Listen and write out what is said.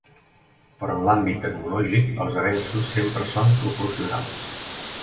Però en l’àmbit tecnològic els avenços sempre són proporcionals.